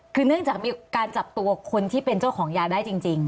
คือเนื่องจากมีการจับตัวคนที่เป็นเจ้าของยาได้จริง